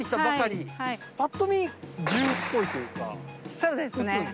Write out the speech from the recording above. そうですね。